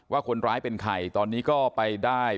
ว่าคนร้ายเป็นใครตอนนี้ก็ไปได้